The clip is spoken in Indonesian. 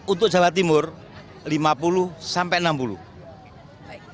untuk jawa timur lima puluh sampai enam puluh